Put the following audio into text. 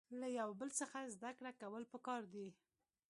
له یو بل څخه زده کړه کول پکار دي.